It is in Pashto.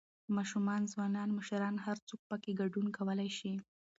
، ماشومان، ځوانان، مشران هر څوک پکې ګډون کولى شي